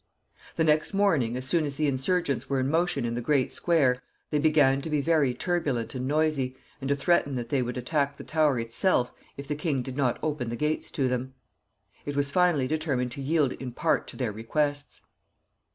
The next morning, as soon as the insurgents were in motion in the great square, they began to be very turbulent and noisy, and to threaten that they would attack the Tower itself if the king did not open the gates to them. It was finally determined to yield in part to their requests.